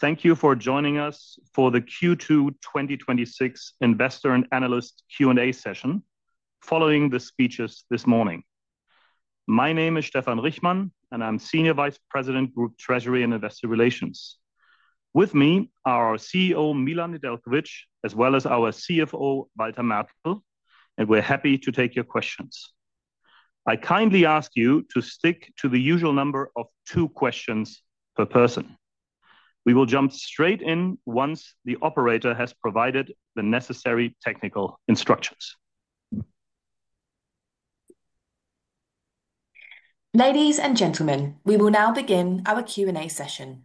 Thank you for joining us for the Q2 2026 investor and analyst Q&A session following the speeches this morning. My name is Stefan Richmann, and I'm Senior Vice President, Group Treasury and Investor Relations. With me, are our CEO, Milan Nedeljković, as well as our CFO, Walter Mertl, and we're happy to take your questions. I kindly ask you to stick to the usual number of two questions per person. We will jump straight in once the operator has provided the necessary technical instructions. Ladies and gentlemen, we will now begin our Q&A session.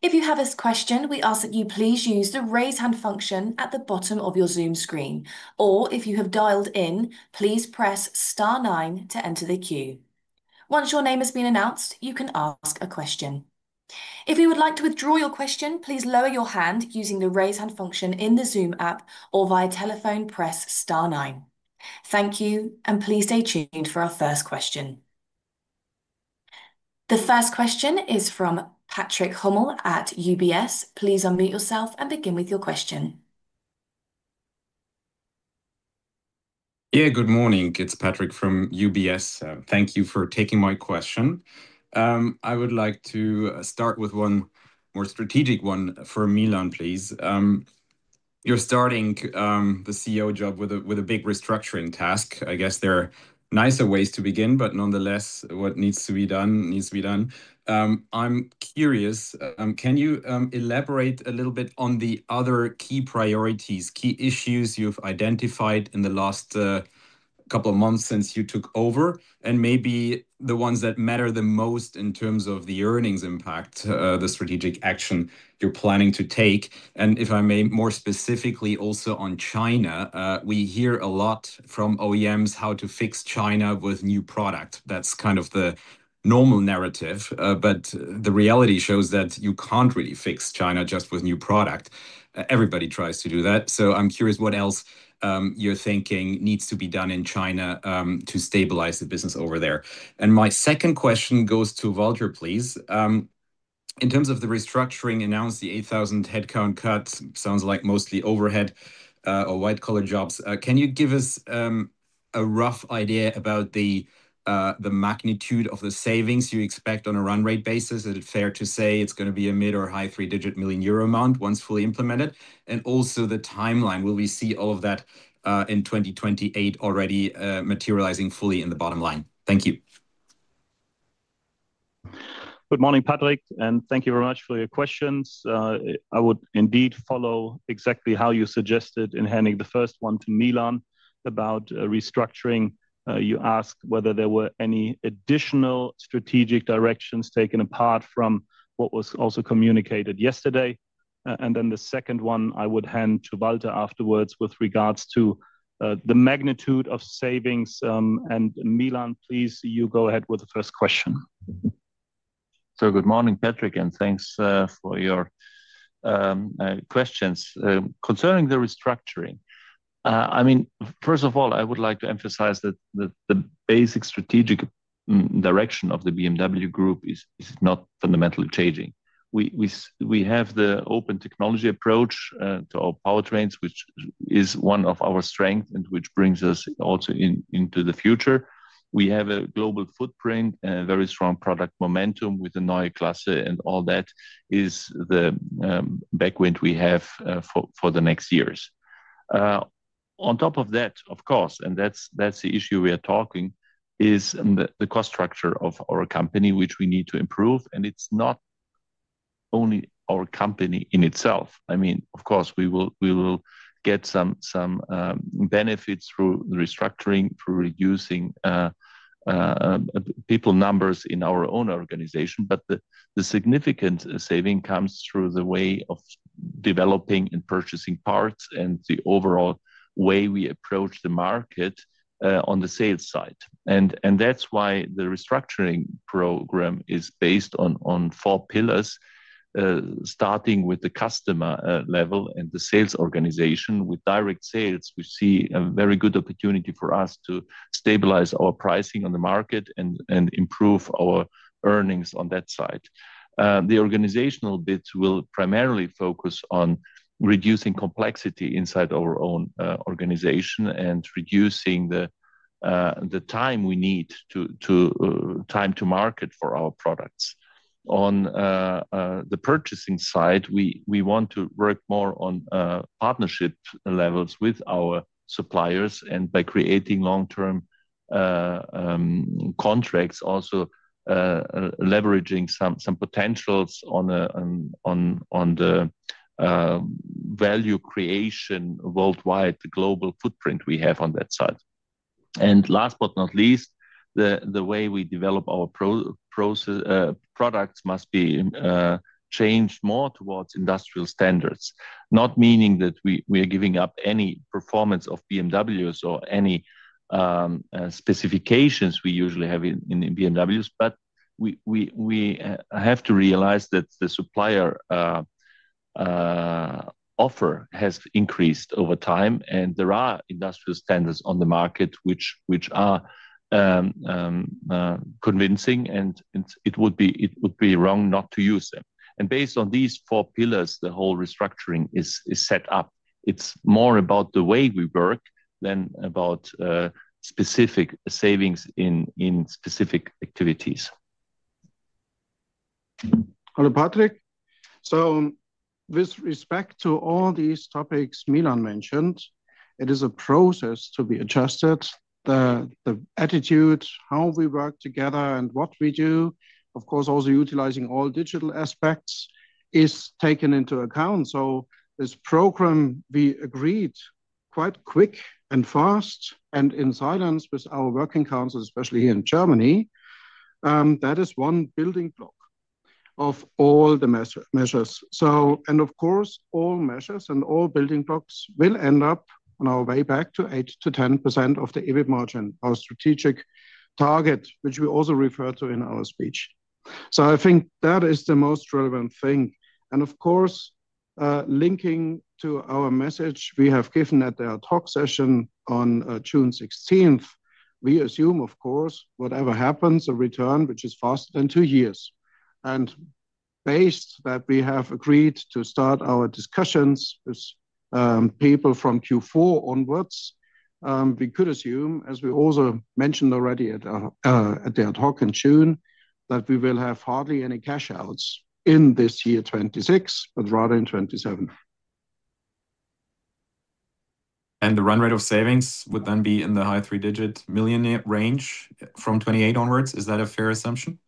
If you have a question, we ask that you please use the raise hand function at the bottom of your Zoom screen, or if you have dialed in, please press star nine to enter the queue. Once your name has been announced, you can ask a question. If you would like to withdraw your question, please lower your hand using the raise hand function in the Zoom app or via telephone, press star nine. Thank you, and please stay tuned for our first question. The first question is from Patrick Hummel at UBS. Please unmute yourself and begin with your question. Yeah. Good morning. It's Patrick from UBS. Thank you for taking my question. I would like to start with one more strategic one for Milan, please. You're starting the CEO job with a big restructuring task. I guess there are nicer ways to begin, but nonetheless, what needs to be done needs to be done. I'm curious, can you elaborate a little bit on the other key priorities, key issues you've identified in the last couple of months since you took over, and maybe the ones that matter the most in terms of the earnings impact, the strategic action you're planning to take? If I may, more specifically also on China, we hear a lot from OEMs how to fix China with new product. That's kind of the normal narrative. But the reality shows that you can't really fix China just with new product. Everybody tries to do that. I'm curious what else you're thinking needs to be done in China to stabilize the business over there. My second question goes to Walter, please. In terms of the restructuring announced, the 8,000 headcount cuts, sounds like mostly overhead or white-collar jobs. Can you give us a rough idea about the magnitude of the savings you expect on a run rate basis? Is it fair to say it's going to be a mid or high three-digit million euro amount once fully implemented? And also the timeline. Will we see all of that in 2028 already materializing fully in the bottom line? Thank you. Good morning, Patrick, thank you very much for your questions. I would indeed follow exactly how you suggested in handing the first one to Milan about restructuring. You asked whether there were any additional strategic directions taken apart from what was also communicated yesterday. The second one I would hand to Walter afterwards with regards to the magnitude of savings. Milan, please, you go ahead with the first question. Good morning, Patrick, and thanks for your questions. Concerning the restructuring, first of all, I would like to emphasize that the basic strategic direction of the BMW Group is not fundamentally changing. We have the open technology approach to our powertrains, which is one of our strengths and which brings us also into the future. We have a global footprint, very strong product momentum with the Neue Klasse and all that is the backwind we have for the next years. On top of that, of course, and that's the issue we are talking, is the cost structure of our company, which we need to improve. It's not only our company in itself. Of course, we will get some benefits through the restructuring, through reducing people numbers in our own organization. The significant saving comes through the way of developing and purchasing parts and the overall way we approach the market on the sales side. That's why the restructuring program is based on four pillars, starting with the customer level and the sales organization. With direct sales, we see a very good opportunity for us to stabilize our pricing on the market and improve our earnings on that side. The organizational bits will primarily focus on reducing complexity inside our own organization and reducing the time we need, time to market for our products. On the purchasing side, we want to work more on partnership levels with our suppliers and by creating long-term contracts also, leveraging some potentials on the value creation worldwide, the global footprint we have on that side. Last but not least, the way we develop our products must be changed more towards industrial standards, not meaning that we are giving up any performance of BMWs or any specifications we usually have in BMWs, but we have to realize that the supplier offer has increased over time, and there are industrial standards on the market which are convincing, and it would be wrong not to use them. Based on these four pillars, the whole restructuring is set up. It's more about the way we work than about specific savings in specific activities. Hello, Patrick. With respect to all these topics Milan Nedeljković mentioned, it is a process to be adjusted. The attitude, how we work together and what we do, of course, also utilizing all digital aspects, is taken into account. This program we agreed quite quick and fast and in silence with our working council, especially here in Germany. That is one building block of all the measures. Of course, all measures and all building blocks will end up on our way back to 8%-10% of the EBIT margin, our strategic target, which we also refer to in our speech. I think that is the most relevant thing. Of course, linking to our message we have given at the Ad hoc session on June 16th, we assume, of course, whatever happens, a return which is faster than two years. Based that we have agreed to start our discussions with people from Q4 onwards, we could assume, as we also mentioned already at the Ad hoc in June, that we will have hardly any cash outs in this year 2026, but rather in 2027. The run rate of savings would then be in the high three-digit million euro range from 2028 onwards. Is that a fair assumption?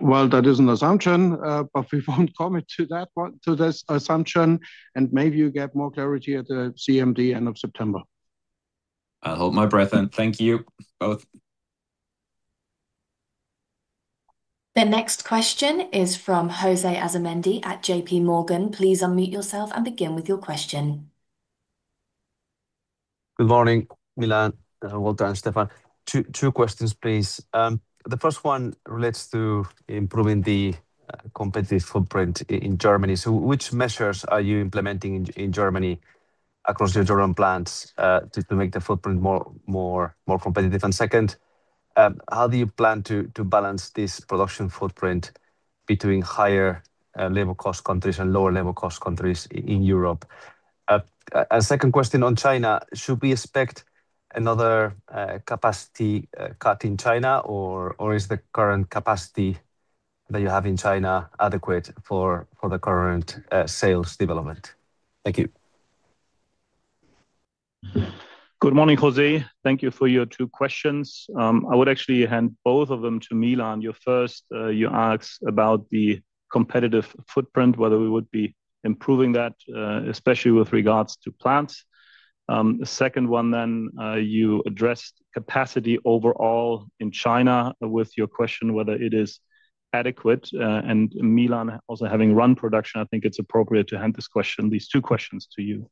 Well, that is an assumption, but we won't commit to this assumption, and maybe you get more clarity at the CMD end of September. I'll hold my breath then. Thank you both. The next question is from Jose Asumendi at JPMorgan. Please unmute yourself and begin with your question. Good morning, Milan, Walter, and Stefan. Two questions, please. The first one relates to improving the competitive footprint in Germany. Which measures are you implementing in Germany across your German plants to make the footprint more competitive? Second, how do you plan to balance this production footprint between higher labor cost countries and lower labor cost countries in Europe? A second question on China. Should we expect another capacity cut in China, or is the current capacity that you have in China adequate for the current sales development? Thank you. Good morning, Jose. Thank you for your two questions. I would actually hand both of them to Milan. Your first, you asked about the competitive footprint, whether we would be improving that, especially with regards to plants. The second one then, you addressed capacity overall in China with your question whether it is adequate. Milan also having run production, I think it's appropriate to hand these two questions to you.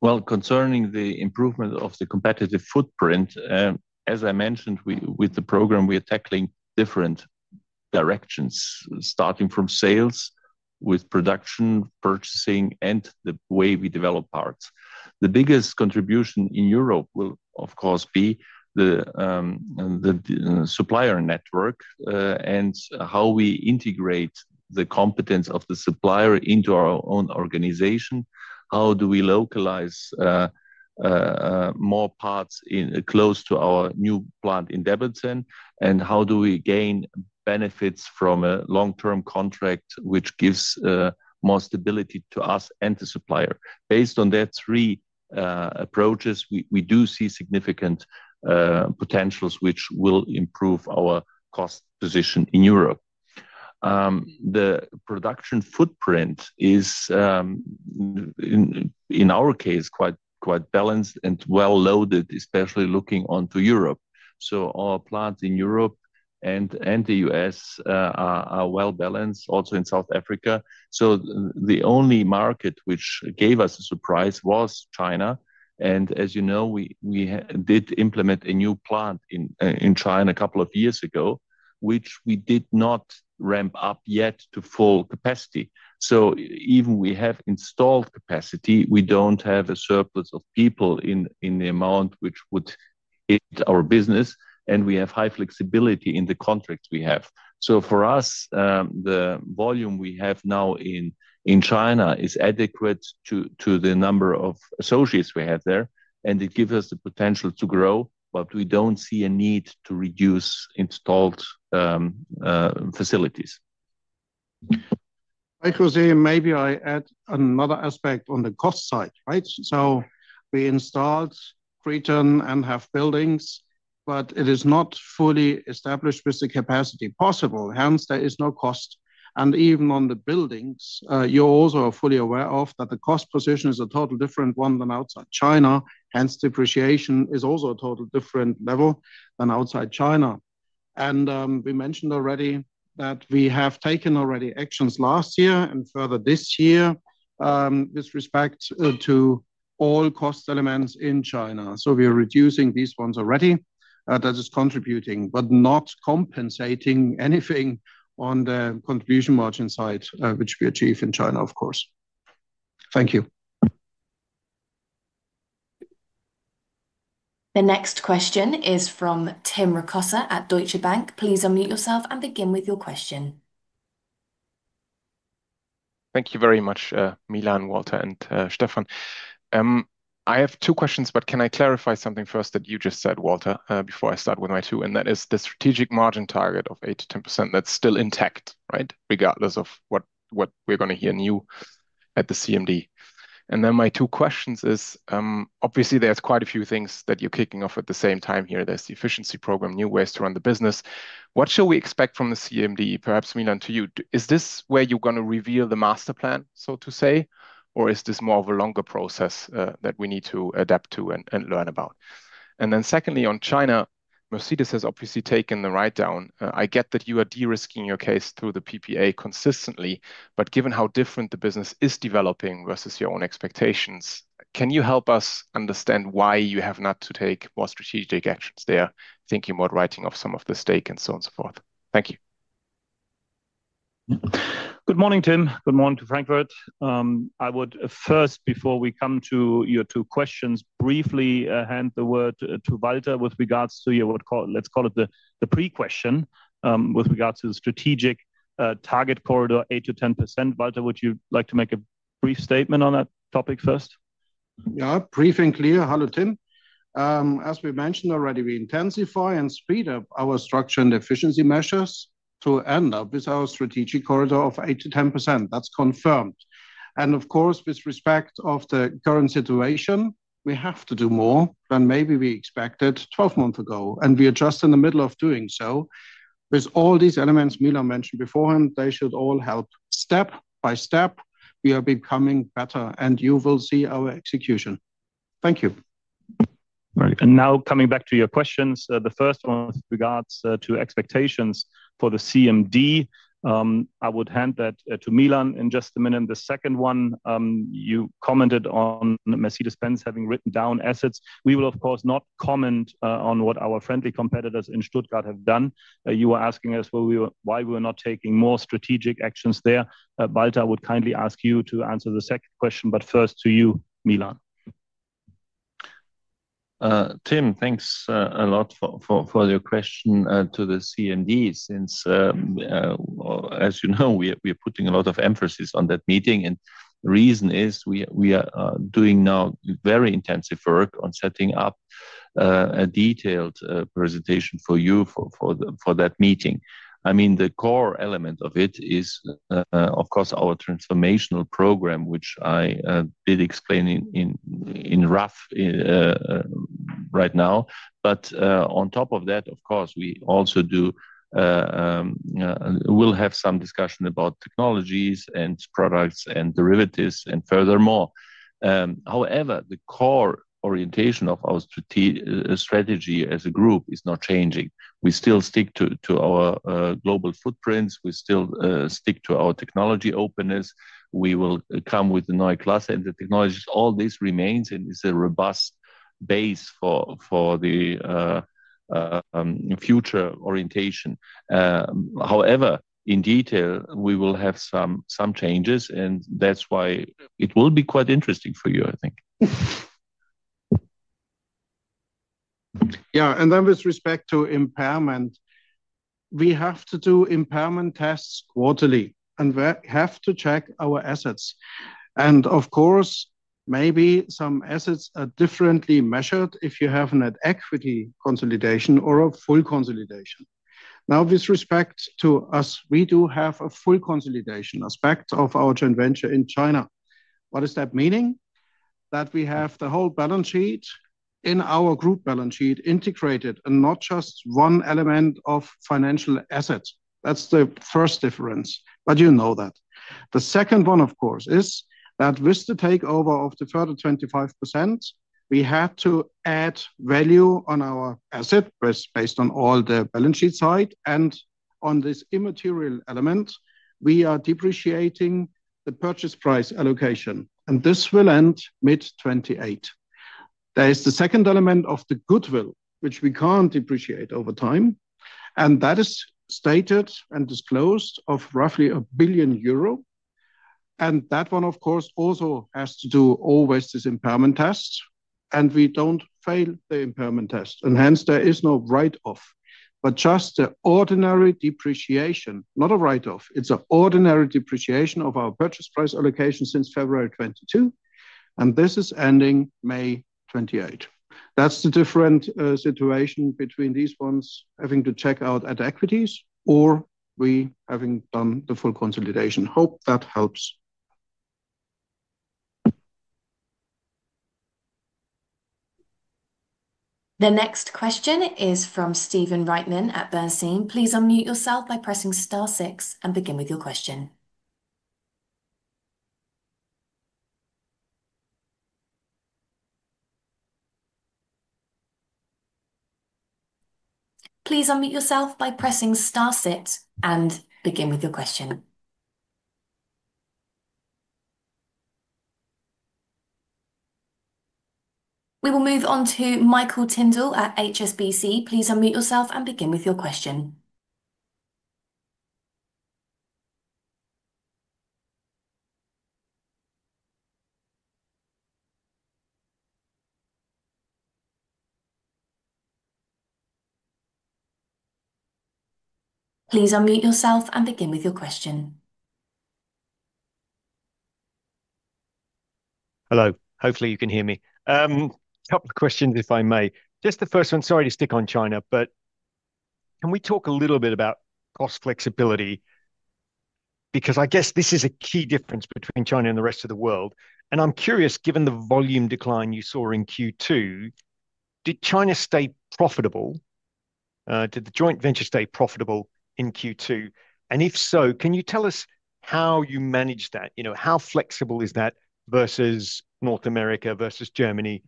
Well, concerning the improvement of the competitive footprint, as I mentioned, with the program, we are tackling different directions, starting from sales with production, purchasing, and the way we develop parts. The biggest contribution in Europe will, of course, be the supplier network, and how we integrate the competence of the supplier into our own organization. How do we localize more parts close to our new plant in Debrecen, and how do we gain benefits from a long-term contract, which gives more stability to us and the supplier? Based on that three approaches, we do see significant potentials which will improve our cost position in Europe. The production footprint is, in our case, quite balanced and well-loaded, especially looking onto Europe. Our plants in Europe and the U.S. are well-balanced, also in South Africa. The only market which gave us a surprise was China. As you know, we did implement a new plant in China a couple of years ago, which we did not ramp up yet to full capacity. Even we have installed capacity, we don't have a surplus of people in the amount which would hit our business, and we have high flexibility in the contracts we have. For us, the volume we have now in China is adequate to the number of associates we have there, and it gives us the potential to grow, but we don't see a need to reduce installed facilities. Hi, Jose. Maybe I add another aspect on the cost side, right? We installed Preston and have buildings, but it is not fully established with the capacity possible, hence there is no cost. Even on the buildings, you also are fully aware of that the cost position is a total different one than outside China, hence depreciation is also a total different level than outside China. We mentioned already that we have taken already actions last year and further this year with respect to all cost elements in China. We are reducing these ones already. That is contributing, but not compensating anything on the contribution margin side, which we achieve in China, of course. Thank you. The next question is from Tim Rokossa at Deutsche Bank. Please unmute yourself and begin with your question. Thank you very much, Milan, Walter, and Stefan. I have two questions, but can I clarify something first that you just said, Walter, before I start with my two, and that is the strategic margin target of 8%-10%, that's still intact, right? Regardless of what we're going to hear new at the CMD. My two questions is, obviously, there's quite a few things that you're kicking off at the same time here. There's the efficiency program, new ways to run the business. What shall we expect from the CMD? Perhaps, Milan, to you. Is this where you're going to reveal the master plan, so to say? Or is this more of a longer process that we need to adapt to and learn about? Secondly, on China, Mercedes has obviously taken the write-down. I get that you are de-risking your case through the PPA consistently, given how different the business is developing versus your own expectations, can you help us understand why you have not to take more strategic actions there, thinking about writing off some of the stake and so on, so forth? Thank you. Good morning, Tim. Good morning to Frankfurt. I would first, before we come to your two questions, briefly hand the word to Walter with regards to your, let's call it, the pre-question, with regards to the strategic target corridor, 8%-10%. Walter, would you like to make a brief statement on that topic first? Yeah, brief and clear. Hello, Tim. As we mentioned already, we intensify and speed up our structure and efficiency measures to end up with our strategic corridor of 8%-10%. That's confirmed. Of course, with respect of the current situation, we have to do more than maybe we expected 12 months ago, and we are just in the middle of doing so. With all these elements Milan mentioned beforehand, they should all help. Step by step, we are becoming better, and you will see our execution. Thank you. Now coming back to your questions. The first one with regards to expectations for the CMD, I would hand that to Milan in just a minute. The second one, you commented on Mercedes-Benz having written down assets. We will, of course, not comment on what our friendly competitors in Stuttgart have done. You were asking us why we were not taking more strategic actions there. Walter, I would kindly ask you to answer the second question, but first to you, Milan. Tim, thanks a lot for your question to the CMD, since, as you know, we are putting a lot of emphasis on that meeting. The reason is we are doing now very intensive work on setting up a detailed presentation for you for that meeting. The core element of it is, of course, our transformational program, which I did explain in rough right now. On top of that, of course, we'll have some discussion about technologies and products and derivatives and furthermore. However, the core orientation of our strategy as a group is not changing. We still stick to our global footprints. We still stick to our technology openness. We will come with the Neue Klasse and the technologies. All this remains, it's a robust base for the future orientation. However, in detail, we will have some changes, that's why it will be quite interesting for you, I think. Then with respect to impairment, we have to do impairment tests quarterly, we have to check our assets. Of course, maybe some assets are differently measured if you have an at equity consolidation or a full consolidation. Now, with respect to us, we do have a full consolidation aspect of our joint venture in China. What is that meaning? That we have the whole balance sheet in our group balance sheet integrated and not just one element of financial assets. That's the first difference. You know that. The second one, of course, is that with the takeover of the further 25%, we had to add value on our asset risk based on all the balance sheet side. On this immaterial element, we are depreciating the purchase price allocation, this will end mid 2028. There is the second element of the goodwill, which we can't depreciate over time, and that is stated and disclosed of roughly 1 billion. That one, of course, also has to do always this impairment test, and we don't fail the impairment test. Hence, there is no write-off, but just the ordinary depreciation. Not a write-off, it's an ordinary depreciation of our purchase price allocation since February 2022, and this is ending May 2028. That's the different situation between these ones having to check out at equity or we having done the full consolidation. Hope that helps. The next question is from Stephen Reitman at Bernstein. Please unmute yourself by pressing star six and begin with your question. We will move on to Mike Tyndall at HSBC. Please unmute yourself and begin with your question. Hello. Hopefully, you can hear me. Couple of questions, if I may. Just the first one, sorry to stick on China, but can we talk a little bit about cost flexibility, because I guess this is a key difference between China and the rest of the world. I'm curious, given the volume decline you saw in Q2, did China stay profitable? Did the joint venture stay profitable in Q2? If so, can you tell us how you managed that? How flexible is that versus North America, versus Germany?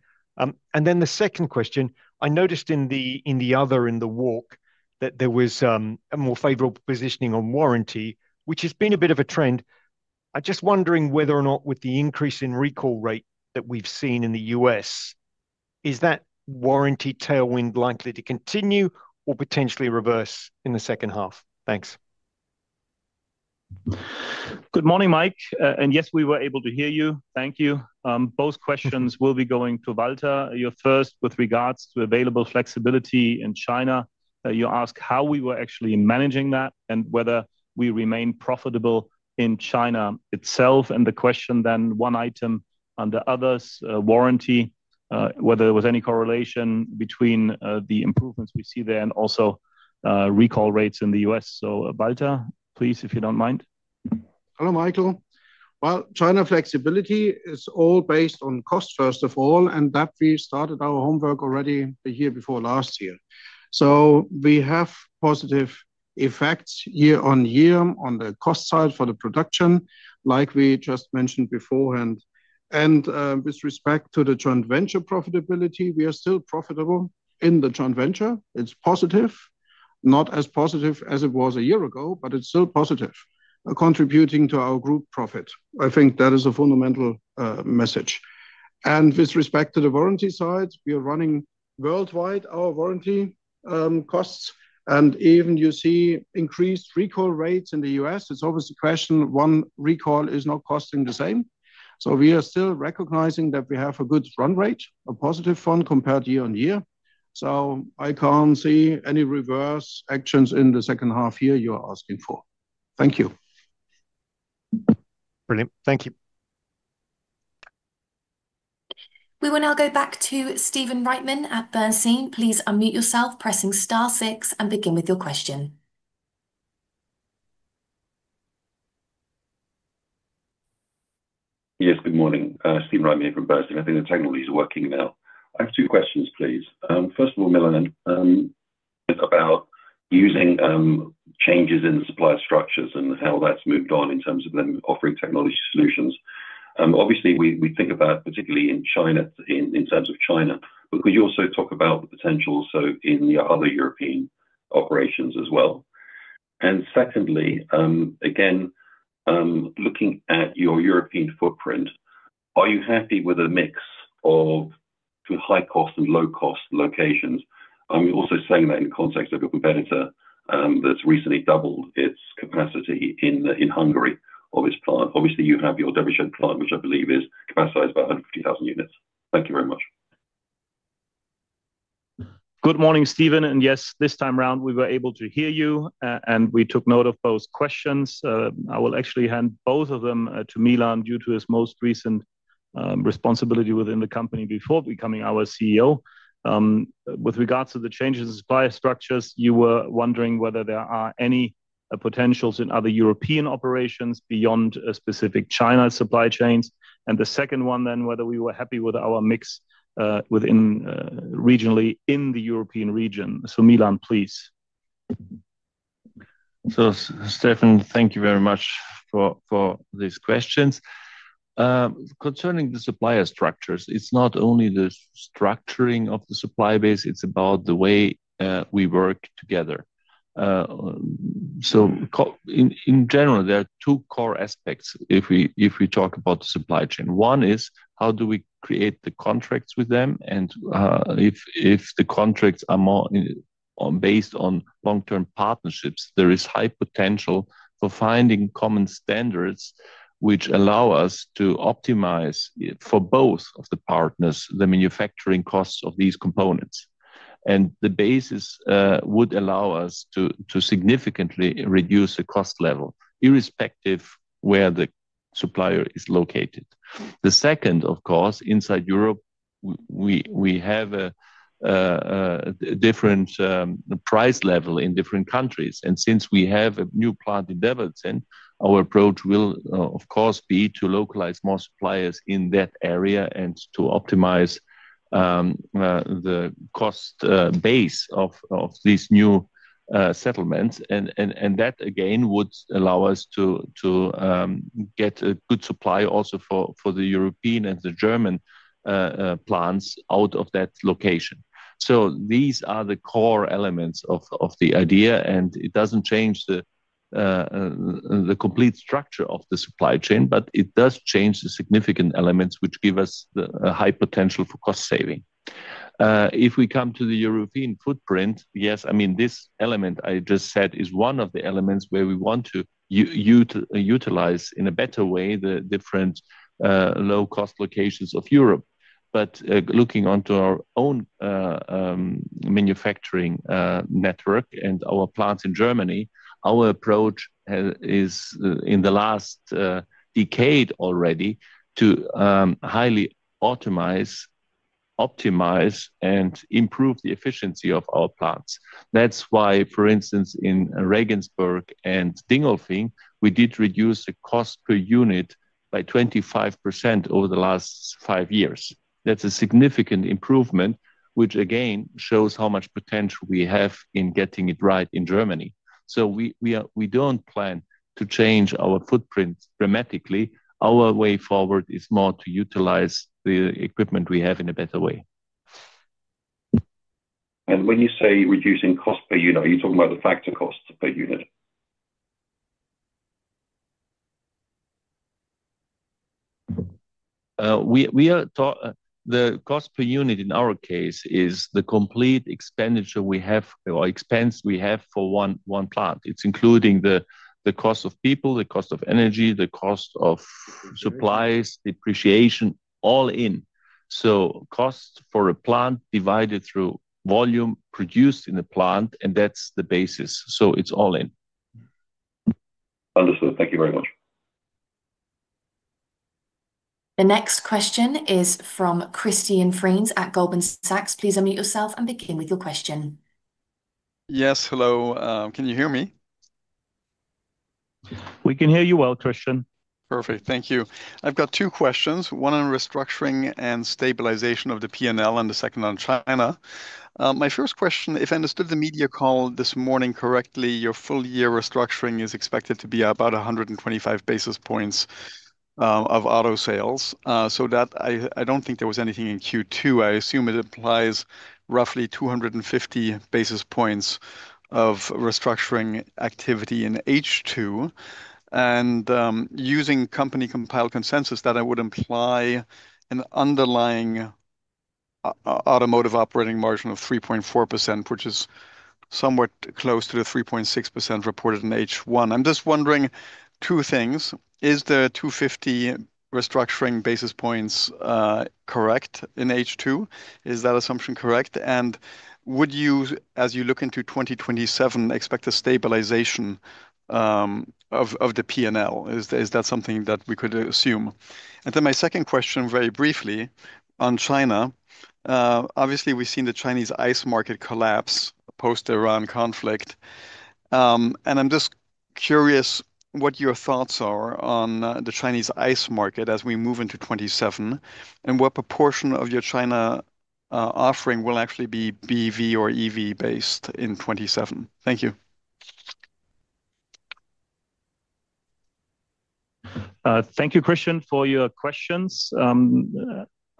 Then the second question, I noticed in the other, in the walk, that there was a more favorable positioning on warranty, which has been a bit of a trend. I'm just wondering whether or not with the increase in recall rate that we've seen in the U.S., is that warranty tailwind likely to continue or potentially reverse in the second half? Thanks. Good morning, Mike. Yes, we were able to hear you. Thank you. Both questions will be going to Walter. Your first with regards to available flexibility in China. You ask how we were actually managing that and whether we remain profitable in China itself. The question then, one item under others, warranty, whether there was any correlation between the improvements we see there and also recall rates in the U.S. Walter, please, if you don't mind. Hello, Mike. China flexibility is all based on cost, first of all, and that we started our homework already a year before last year. We have positive effects year-on-year on the cost side for the production, like we just mentioned beforehand. With respect to the joint venture profitability, we are still profitable in the joint venture. It's positive. Not as positive as it was a year ago, but it's still positive, contributing to our group profit. I think that is a fundamental message. With respect to the warranty side, we are running worldwide our warranty costs, and even you see increased recall rates in the U.S., it's always the question, one recall is not costing the same. We are still recognizing that we have a good run rate, a positive run compared year-on-year. I can't see any reverse actions in the second half year you are asking for. Thank you. Brilliant. Thank you. We will now go back to Stephen Reitman at Bernstein. Please unmute yourself pressing star six and begin with your question. Yes, good morning. Stephen Reitman from Bernstein. I think the technology's working now. I have two questions, please. First of all, Milan, about using changes in the supplier structures and how that's moved on in terms of them offering technology solutions. Obviously, we think about particularly in China, in terms of China, but could you also talk about the potential also in your other European operations as well? Secondly, again, looking at your European footprint, are you happy with a mix of high-cost and low-cost locations? I'm also saying that in context of your competitor, that's recently doubled its capacity in Hungary, obviously. Obviously, you have your Debrecen plant, which I believe is capacitized about 150,000 units. Thank you very much. Good morning, Stephen. Yes, this time around, we were able to hear you, and we took note of both questions. I will actually hand both of them to Milan due to his most recent responsibility within the company before becoming our CEO. With regards to the changes in supplier structures, you were wondering whether there are any potentials in other European operations beyond a specific China supply chains. The second one then, whether we were happy with our mix regionally in the European region. Milan, please. Stephen, thank you very much for these questions. Concerning the supplier structures, it's not only the structuring of the supply base, it's about the way we work together. In general, there are two core aspects if we talk about the supply chain. One is, how do we create the contracts with them? If the contracts are more based on long-term partnerships, there is high potential for finding common standards which allow us to optimize for both of the partners, the manufacturing costs of these components. The basis would allow us to significantly reduce the cost level, irrespective where the supplier is located. The second, of course, inside Europe, we have a different price level in different countries. Since we have a new plant in Debrecen, our approach will of course, be to localize more suppliers in that area and to optimize the cost base of this new settlements. That again would allow us to get a good supply also for the European and the German plants out of that location. These are the core elements of the idea, and it doesn't change the complete structure of the supply chain, but it does change the significant elements which give us the high potential for cost saving. If we come to the European footprint, yes, this element I just said is one of the elements where we want to utilize in a better way the different low-cost locations of Europe. Looking onto our own manufacturing network and our plants in Germany, our approach is in the last decade already to highly optimize and improve the efficiency of our plants. That's why, for instance, in Regensburg and Dingolfing, we did reduce the cost per unit by 25% over the last five years. That's a significant improvement, which again shows how much potential we have in getting it right in Germany. We don't plan to change our footprint dramatically. Our way forward is more to utilize the equipment we have in a better way. When you say reducing cost per unit, are you talking about the factor cost per unit? The cost per unit in our case is the complete expenditure we have, or expense we have for one plant. It's including the cost of people, the cost of energy, the cost of supplies, depreciation, all in. Cost for a plant divided through volume produced in a plant, and that's the basis. It's all in. Understood. Thank you very much. The next question is from Christian Frenes at Goldman Sachs. Please unmute yourself and begin with your question. Yes. Hello. Can you hear me? We can hear you well, Christian. Perfect. Thank you. I've got two questions, one on restructuring and stabilization of the P&L, and the second on China. My first question, if I understood the media call this morning correctly, your full year restructuring is expected to be about 125 basis points of auto sales. I don't think there was anything in Q2. I assume it applies roughly 250 basis points of restructuring activity in H2, and using company compiled consensus that it would imply an underlying automotive operating margin of 3.4%, which is somewhat close to the 3.6% reported in H1. I'm just wondering two things. Is the 250 restructuring basis points correct in H2? Is that assumption correct? Would you, as you look into 2027, expect a stabilization of the P&L? Is that something that we could assume? My second question very briefly on China. Obviously we've seen the Chinese ICE market collapse post Iran conflict. I'm just curious what your thoughts are on the Chinese ICE market as we move into 2027, and what proportion of your China offering will actually be BEV or EV based in 2027? Thank you. Thank you, Christian, for your questions.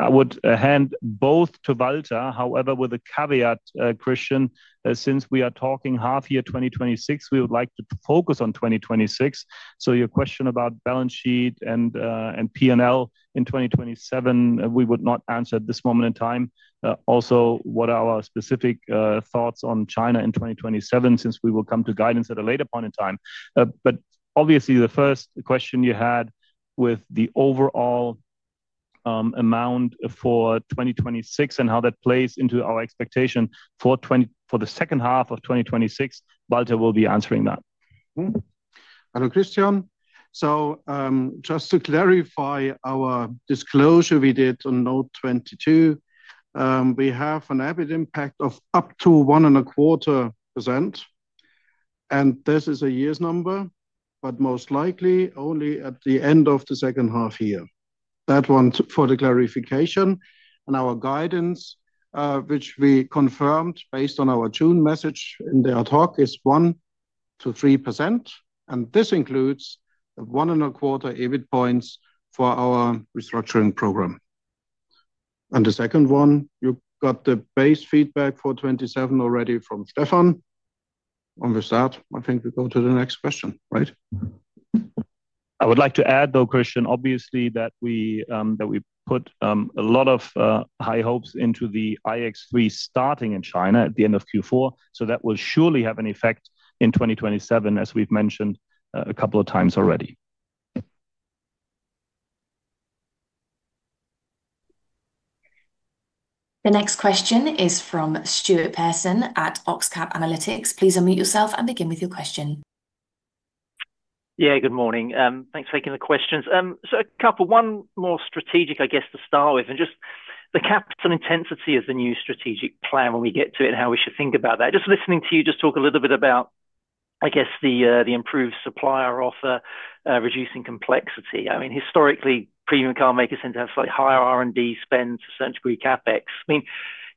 I would hand both to Walter. However, with a caveat, Christian, since we are talking half year 2026, we would like to focus on 2026. Your question about balance sheet and P&L in 2027, we would not answer at this moment in time. Also, what are our specific thoughts on China in 2027, since we will come to guidance at a later point in time. Obviously the first question you had with the overall amount for 2026 and how that plays into our expectation for the second half of 2026, Walter will be answering that. Hello, Christian. Just to clarify our disclosure we did on Note 22, we have an EBIT impact of up to 1.25%, and this is a year's number, but most likely only at the end of the second half year. That one for the clarification. Our guidance, which we confirmed based on our June message in the talk, is 1%-3%, and this includes the one and a quarter EBIT points for our restructuring program. The second one, you got the base feedback for 2027 already from Stefan. With that, I think we go to the next question, right? I would like to add though, Christian, obviously that we put a lot of high hopes into the iX3 starting in China at the end of Q4. That will surely have an effect in 2027, as we've mentioned a couple of times already. The next question is from Stuart Pearson at Oxcap Analytics. Please unmute yourself and begin with your question. Good morning. Thanks for taking the questions. A couple, one more strategic, I guess to start with, and just the capital intensity of the new strategic plan when we get to it and how we should think about that. Just listening to you just talk a little bit about I guess the improved supplier offer, reducing complexity. Historically, premium carmakers seem to have slightly higher R&D spend to a certain degree, CapEx.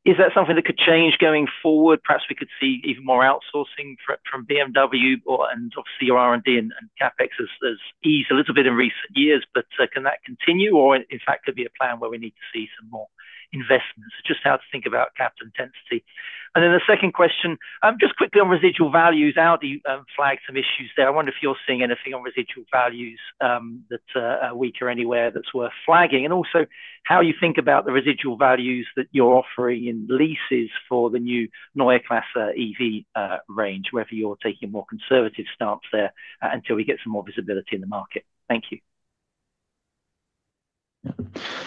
Is that something that could change going forward? Perhaps we could see even more outsourcing from BMW or and obviously your R&D and CapEx has eased a little bit in recent years. Can that continue or in fact could be a plan where we need to see some more investments, just how to think about capital intensity. And then the second question, just quickly on residual values. Audi flagged some issues there. I wonder if you're seeing anything on residual values that are weak or anywhere that's worth flagging. Also how you think about the residual values that you're offering in leases for the new Neue Klasse EV range, whether you're taking a more conservative stance there until we get some more visibility in the market. Thank you.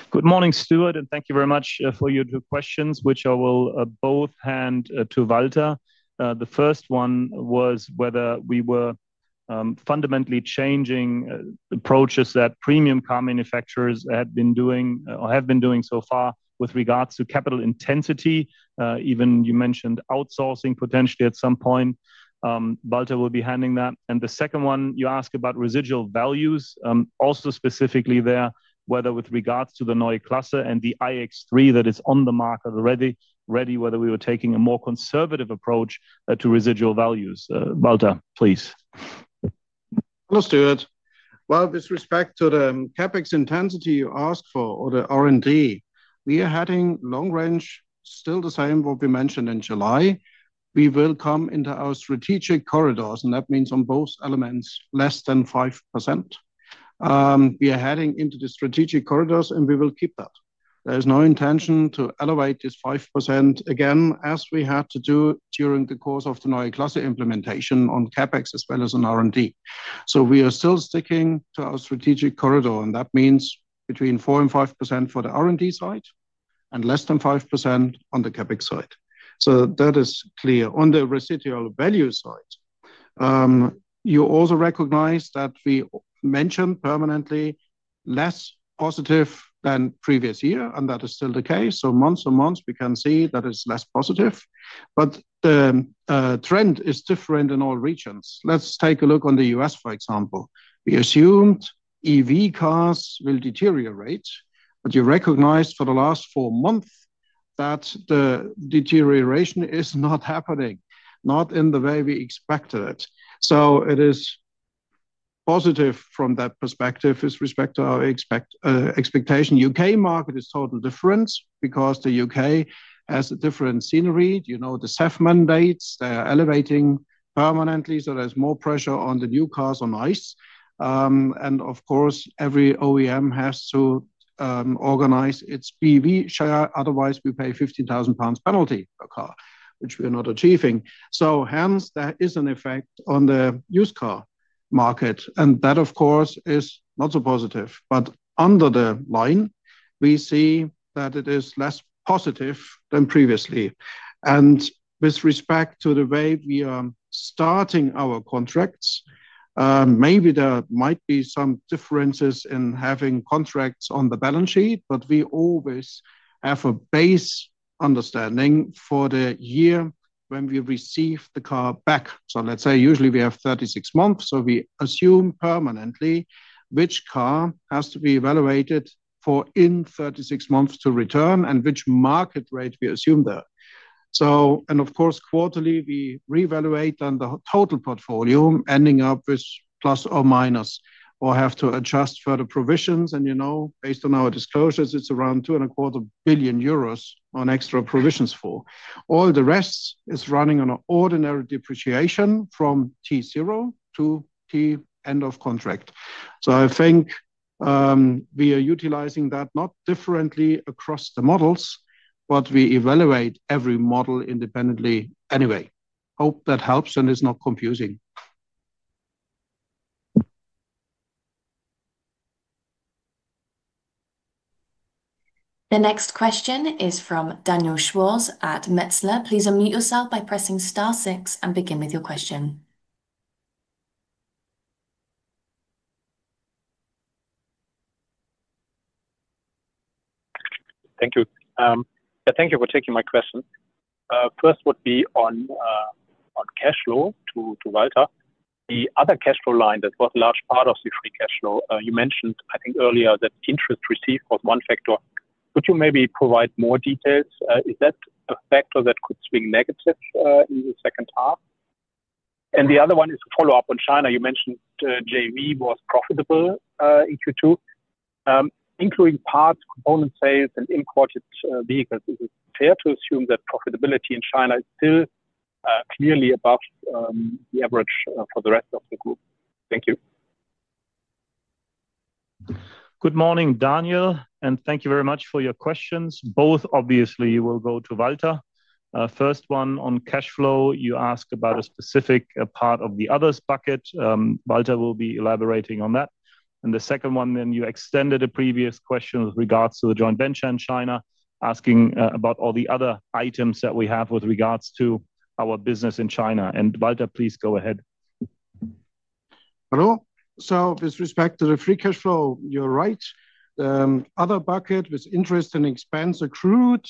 Good morning, Stuart, thank you very much for your two questions, which I will both hand to Walter. The first one was whether we were fundamentally changing approaches that premium car manufacturers had been doing or have been doing so far with regards to capital intensity. Even you mentioned outsourcing potentially at some point. Walter will be handling that. The second one, you ask about residual values, also specifically there, whether with regards to the Neue Klasse and the iX3 that is on the market already ready, whether we were taking a more conservative approach to residual values. Walter, please. Hello, Stuart. Well, with respect to the CapEx intensity you ask for or the R&D, we are heading long range still the same what we mentioned in July. We will come into our strategic corridors, that means on both elements, less than 5%. We are heading into the strategic corridors, and we will keep that. There is no intention to elevate this 5% again, as we had to do during the course of the Neue Klasse implementation on CapEx as well as on R&D. We are still sticking to our strategic corridor, that means between 4% and 5% for the R&D side and less than 5% on the CapEx side. That is clear. On the residual value side, you also recognize that we mention permanently less positive than previous year, that is still the case. Months and months, we can see that it's less positive. The trend is different in all regions. Let's take a look on the U.S., for example. We assumed EV cars will deteriorate, but you recognize for the last four months that the deterioration is not happening, not in the way we expected it. It is positive from that perspective with respect to our expectation. U.K. market is totally different because the U.K. has a different scenery. You know the ZEV mandates, they are elevating permanently, there's more pressure on the new cars on ICE. Of course, every OEM has to organize its BEV share, otherwise, we pay 15,000 pounds penalty per car, which we are not achieving. Hence, there is an effect on the used car market, that of course, is not so positive. Under the line, we see that it is less positive than previously. With respect to the way we are starting our contracts, maybe there might be some differences in having contracts on the balance sheet, but we always have a base understanding for the year when we receive the car back. Let's say usually we have 36 months, we assume permanently which car has to be evaluated for in 36 months to return, which market rate we assume there. Of course, quarterly, we reevaluate on the total portfolio, ending up with plus or minus, or have to adjust further provisions. Based on our disclosures, it's around 2.25 billion euros on extra provisions for. All the rest is running on an ordinary depreciation from T zero to T end of contract. I think we are utilizing that not differently across the models, but we evaluate every model independently anyway. Hope that helps and is not confusing. The next question is from Daniel Schwarz at Metzler. Please unmute yourself by pressing star six and begin with your question. Thank you. Yeah, thank you for taking my question. First would be on cash flow to Walter. The other cash flow line that was large part of the free cash flow, you mentioned, I think earlier, that interest received was one factor. Could you maybe provide more details? Is that a factor that could swing negative in the second half? The other one is a follow-up on China. You mentioned JV was profitable, Q2. Including parts, component sales, and imported vehicles, is it fair to assume that profitability in China is still clearly above the average for the rest of the group? Thank you. Good morning, Daniel, thank you very much for your questions. Both, obviously, will go to Walter. First one on cash flow, you ask about a specific part of the others bucket. Walter will be elaborating on that. The second one, then you extended a previous question with regards to the joint venture in China, asking about all the other items that we have with regards to our business in China. Walter, please go ahead with Hello. With respect to the free cash flow, you're right. The other bucket with interest and expense accrued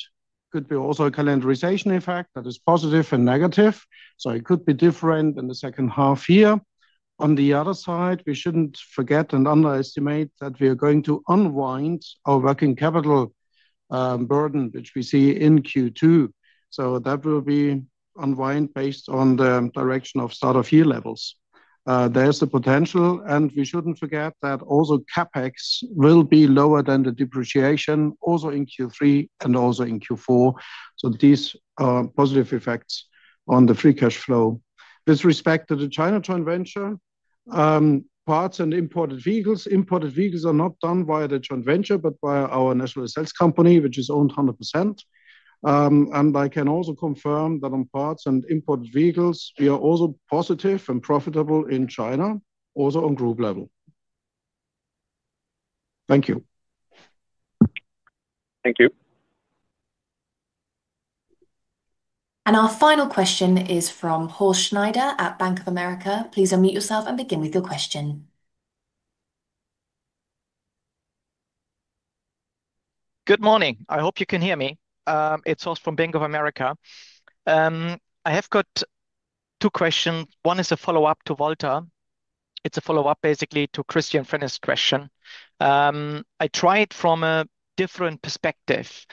could be also a calendarization effect that is positive and negative. It could be different in the second half year. On the other side, we shouldn't forget and underestimate that we are going to unwind our working capital burden, which we see in Q2. That will be unwind based on the direction of sort of year levels. There's the potential, and we shouldn't forget that also CapEx will be lower than the depreciation also in Q3 and also in Q4. These are positive effects on the free cash flow. With respect to the China joint venture, parts and imported vehicles, imported vehicles are not done via the joint venture, but by our national sales company, which is owned 100%. I can also confirm that on parts and imported vehicles, we are also positive and profitable in China, also on group level. Thank you. Thank you. Our final question is from Horst Schneider at Bank of America. Please unmute yourself and begin with your question. Good morning. I hope you can hear me. It's Horst from Bank of America. I have got two questions. One is a follow-up to Walter. It's a follow-up, basically, to Christian Frenes's question. I tried from a different perspective.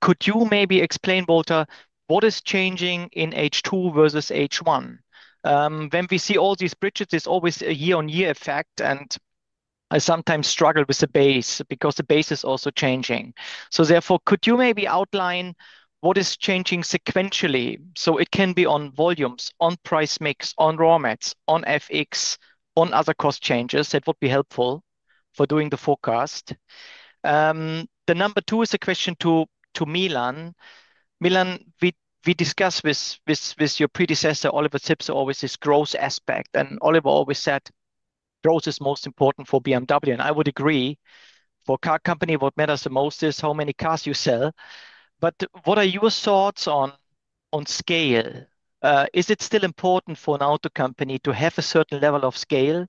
Could you maybe explain, Walter, what is changing in H2 versus H1? When we see all these bridges, there's always a year-on-year effect, and I sometimes struggle with the base because the base is also changing. Therefore, could you maybe outline what is changing sequentially? It can be on volumes, on price mix, on raw mats, on FX, on other cost changes. That would be helpful for doing the forecast. The number two is a question to Milan. Milan, we discussed with your predecessor, Oliver Zipse, always this growth aspect. Oliver always said growth is most important for BMW, and I would agree. For a car company, what matters the most is how many cars you sell. What are your thoughts on scale? Is it still important for an auto company to have a certain level of scale?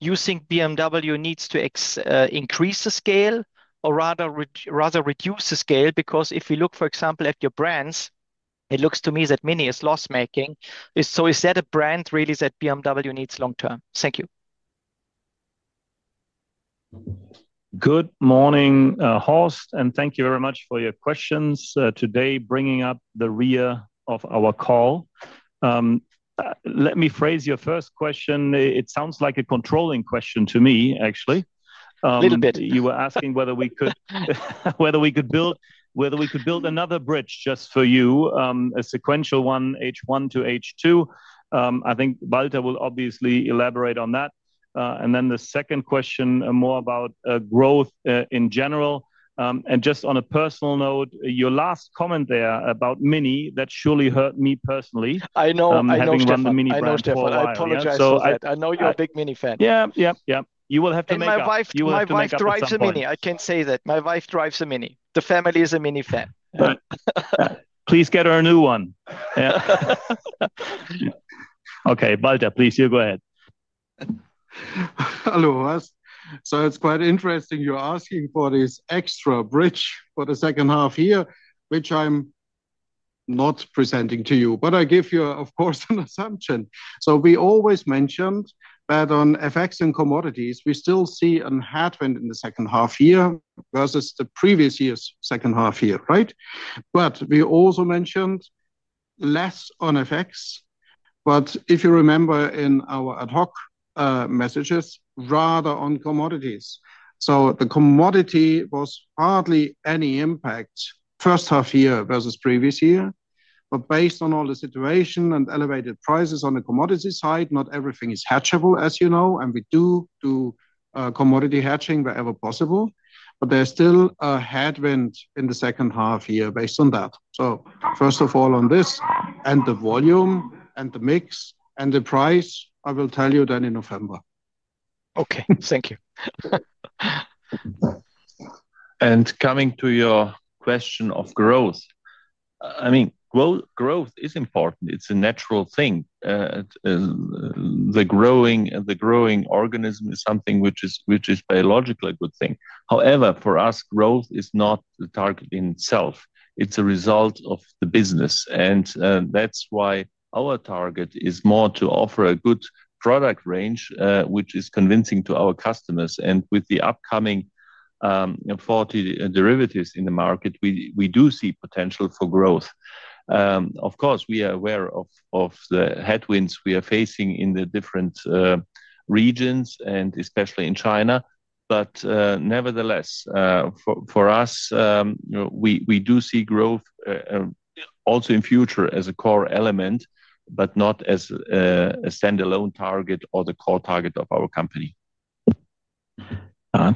You think BMW needs to increase the scale or rather reduce the scale? If you look, for example, at your brands, it looks to me that MINI is loss-making. Is that a brand really that BMW needs long term? Thank you. Good morning, Horst. Thank you very much for your questions today, bringing up the rear of our call. Let me phrase your first question. It sounds like a controlling question to me, actually. A little bit. You were asking whether we could build another bridge just for you, a sequential one, H1 to H2. I think Walter will obviously elaborate on that. The second question, more about growth in general. Just on a personal note, your last comment there about MINI, that surely hurt me personally having owned the MINI brand for a while. I know, Stefan. I apologize for that. I know you're a big MINI fan. Yeah. You will have to make up at some point. My wife drives a MINI. I can say that. My wife drives a MINI. The family is a MINI fan. Please get her a new one. Walter, please, you go ahead. Hello, Horst. It's quite interesting you're asking for this extra bridge for the second half year, which I'm not presenting to you. I give you, of course, an assumption. We always mentioned that on FX and commodities, we still see a headwind in the second half year versus the previous year's second half year, right? We also mentioned less on effects. If you remember in our Ad hoc messages, rather on commodities. The commodity was hardly any impact first half year versus previous year. Based on all the situation and elevated prices on the commodity side, not everything is hedgeable, as you know, and we do do commodity hedging wherever possible. There's still a headwind in the second half year based on that. First of all, on this and the volume and the mix and the price, I will tell you in November. Okay. Thank you. Coming to your question of growth. Growth is important. It's a natural thing. The growing organism is something which is biologically a good thing. However, for us, growth is not the target in itself. It's a result of the business. That's why our target is more to offer a good product range, which is convincing to our customers. With the upcoming 40 derivatives in the market, we do see potential for growth. Of course, we are aware of the headwinds we are facing in the different regions and especially in China. Nevertheless, for us, we do see growth also in future as a core element, but not as a standalone target or the core target of our company.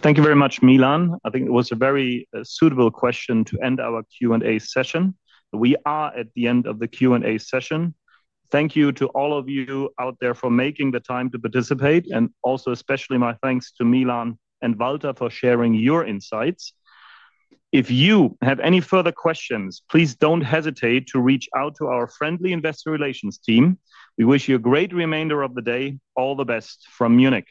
Thank you very much, Milan. I think it was a very suitable question to end our Q&A session. We are at the end of the Q&A session. Thank you to all of you out there for making the time to participate, and also especially my thanks to Milan and Walter for sharing your insights. If you have any further questions, please don't hesitate to reach out to our friendly investor relations team. We wish you a great remainder of the day. All the best from Munich